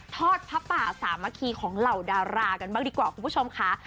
ทอดพระป่าสามัคคีของเหล่าดารากันบ้างดีกว่าคุณผู้ชมค่ะ